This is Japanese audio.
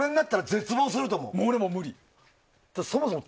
俺も無理。